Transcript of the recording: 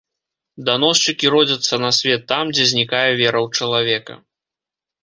Даносчыкі родзяцца на свет там, дзе знікае вера ў чалавека.